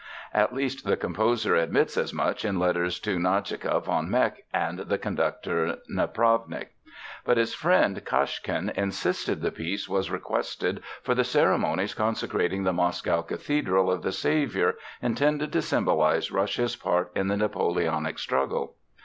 At least the composer admits as much in letters to Nadezhka von Meck and the conductor Napravnik. But his friend Kashkin insisted the piece was requested for the ceremonies consecrating the Moscow Cathedral of the Saviour, intended to symbolize Russia's part in the Napoleonic struggle.